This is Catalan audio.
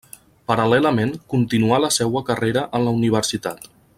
Paral·lelament continuà la seua carrera en la universitat.